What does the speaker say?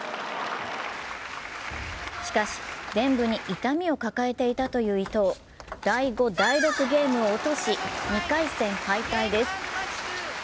しかし、でん部に痛みを抱えていたという伊藤、第５、第６ゲームを落とし２回戦敗退です。